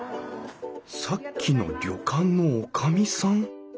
さっきの旅館の女将さん！？